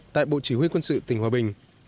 tại bộ chỉ huy quân sự tỉnh hòa bình